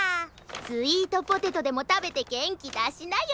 スイートポテトでもたべてげんきだしなよ。